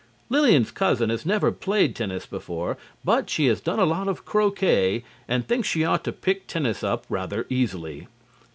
Lillian's cousin has never played tennis before but she has done a lot of croquet and thinks she ought to pick tennis up rather easily.